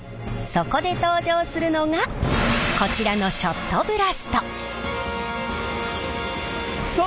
そこで登場するのがこちらのショットブラスト。